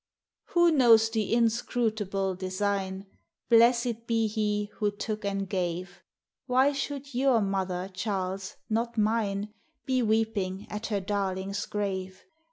Who knows the inscrutable design? Blessed be He who took and gave! Why should your mother, Charles, not mine, Be weeping at her darling's grave?